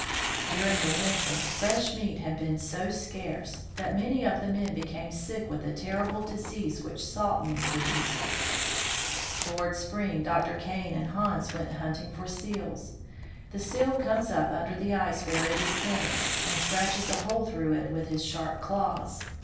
During the winter fresh meat had been so scarce that many of the men became sick with the terrible disease which salt meat produces. Toward spring Dr. Kane and Hans went hunting for seals. The seal comes up under the ice where it is thinnest, and scratches a hole through it with his sharp claws.